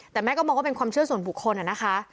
แต่แม่ก็มองว่าเป็นความเชื่อส่วนบุคคลนะคะ